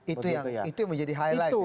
itu yang menjadi highlight